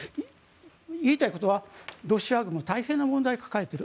言いたいことはロシア軍も大変な問題を抱えている。